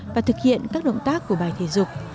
và thực hiện các động tác của bài thể dục